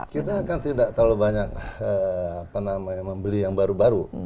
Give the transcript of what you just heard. kita kan tidak terlalu banyak membeli yang baru baru